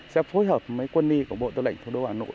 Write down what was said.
sẽ phối hợp với quân y của bộ tư lệnh thủ đô hà nội